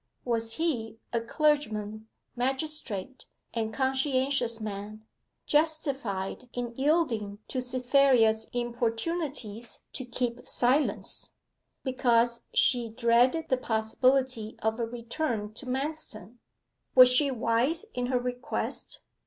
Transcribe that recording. Was he a clergyman, magistrate, and conscientious man justified in yielding to Cytherea's importunities to keep silence, because she dreaded the possibility of a return to Manston? Was she wise in her request?